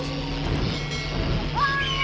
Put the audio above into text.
pohon ini ada rust listriknya